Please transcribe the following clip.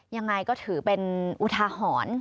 ยังไงก็ถือเป็นอุทาหรณ์